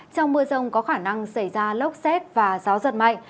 trong mưa rông có khả năng xảy ra lốc xét và gió giật mạnh